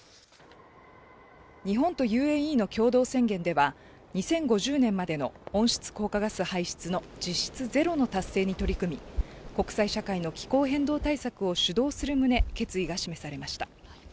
日本とＵＡＥの共同宣言では、２０５０年までの温室効果ガス排出の実質ゼロの達成に取り組み、国際社会の気候変動対策を主導するむね、決意が示されました。